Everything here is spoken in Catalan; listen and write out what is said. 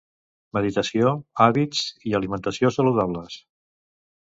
Meditació, hàbits i alimentació saludables.